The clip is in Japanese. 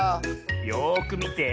よくみて。